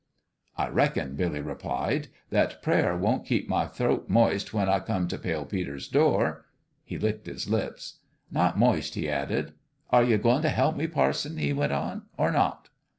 "I reckon," Billy replied, "that prayer won't keep my throat moist when I come t' Pale Peter's door." He licked his lips. "Not moist," he added. " Are you goin' t' help me, parson," he went on, "or not?"